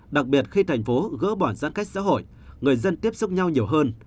đặc biệt khi tp hcm gỡ bỏ giãn cách xã hội người dân tiếp xúc nhau nhiều hơn